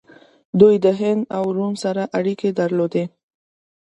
دوی د هند او روم سره اړیکې درلودې